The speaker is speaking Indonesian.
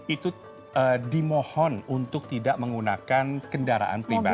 itu dimohon untuk tidak menggunakan kendaraan pribadi